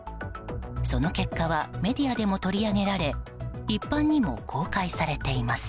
その結果はメディアでも取り上げられ一般にも公開されています。